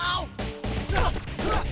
nanti gue jatuh